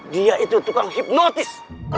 dia itu tukang hipnotis